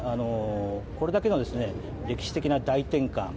これだけの歴史的な大転換。